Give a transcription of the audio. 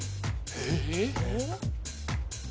えっ？